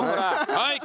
はい！